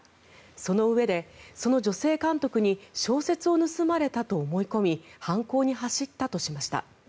そのうえで、その女性監督に小説を盗まれたと思い込み犯行に走ったとしました。